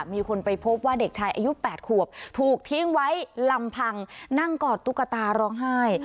มีคนไปพบว่าเด็กชายอายุ๘ขวบถูกทิ้งไว้ลำพังนั่งกอดตุ๊กตาร้องไห้